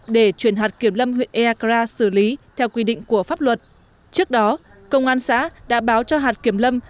để chuyển hạt kiểm lâm huyện eakar xử lý theo quy định của pháp luật trước đó công an xã đã báo cho hạt kiểm lâm